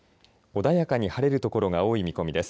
穏やかに晴れる所が多い見込みです。